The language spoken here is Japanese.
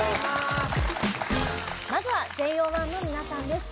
まずはＪＯ１の皆さんです。